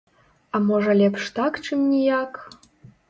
А можа лепш так, чым ніяк?